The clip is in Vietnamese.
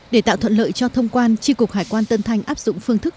để tạo thuận lợi cho thông quan tri cục hải quan tân thanh áp dụng phương thức